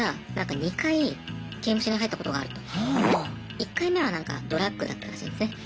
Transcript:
１回目はなんかドラッグだったらしいんですね。